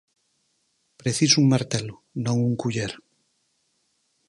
Preciso un martelo, non un culler.